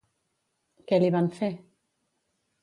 Què li van fer?